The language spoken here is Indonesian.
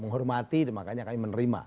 menghormati makanya kami menerima